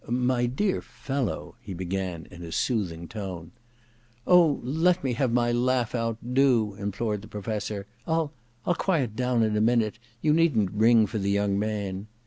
* My dear fellow ' he began in a soothing tone. *Oh, let me have my laugh out, do,' im plored the Professor. * I'll — I'll quiet down in a minute ; you needn't ring for the young man.'